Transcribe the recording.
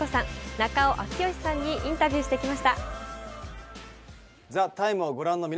中尾明慶さんにインタビューしてきました。